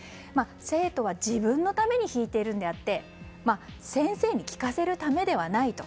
生徒は自分のために弾いているのであって先生に聴かせるためではないと。